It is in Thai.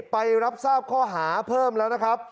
ไปรับทราบข้อหาเพิ่มแล้วนะครับ